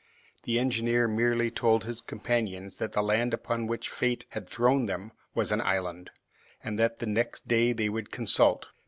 The engineer merely told his companions that the land upon which fate had thrown them was an island, and that the next day they would consult.